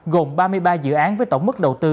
gồm ba mươi ba dự án với tổng mức đầu tư